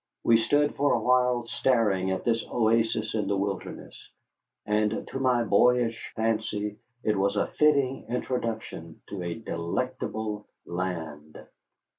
We stood for a while staring at this oasis in the wilderness, and to my boyish fancy it was a fitting introduction to a delectable land.